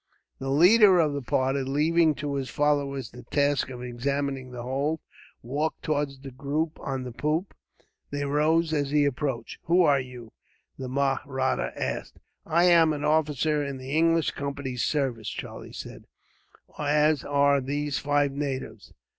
The leader of the party, leaving to his followers the task of examining the hold, walked towards the group on the poop. They rose at his approach. "Who are you?" the Mahratta asked. "I am an officer in the English Company's service," Charlie said, "as are these five natives.